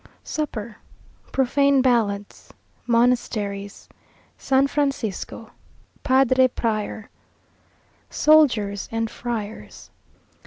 Supper Profane Ballads Monasteries San Francisco Padre Prior Soldiers and Friars.